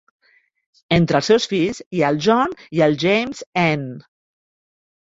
Entre els seus fills hi ha el John i el James N.